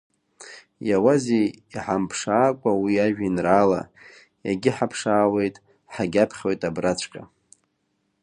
Иауазеи иҳамԥшаакәа уи ажәеинраала, иагьыҳаԥшаауеит, ҳагьаԥхьоит абраҵәҟьа.